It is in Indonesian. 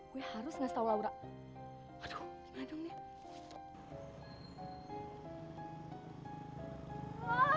gue harus ngasih tau laura aduh tinggal dong nih